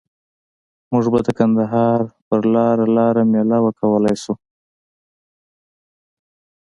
مونږ به د کندهار په لاره لار میله وکولای شو.